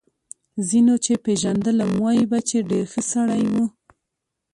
ځینو چې پېژندلم وايي به چې ډېر ښه سړی و